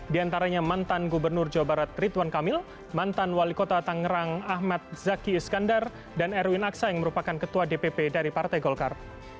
di antaranya mantan gubernur jawa barat rituan kamil mantan wali kota tangerang ahmad zaki iskandar dan erwin aksa yang merupakan ketua dpp dari partai golkar